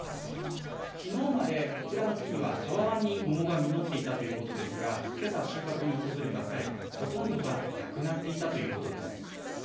昨日まで、こちらの木にはたわわに桃が実っていたということですが今朝収穫に訪れた際、ほとんどがなくなっていたということです。